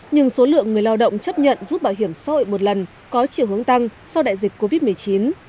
nhưng số lượng người lao động chấp nhận rút bảo hiểm xã hội một lần có chiều hướng tăng sau đại dịch covid một mươi chín